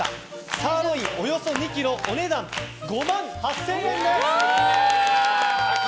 サーロインおよそ２ｋｇお値段５万８０００円です。